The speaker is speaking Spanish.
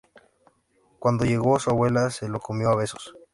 Cuando llegó su abuela, se lo comió a besos